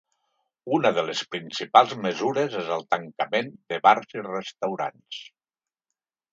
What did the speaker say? Una de les principals mesures és el tancament de bars i restaurants.